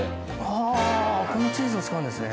あチーズを使うんですね。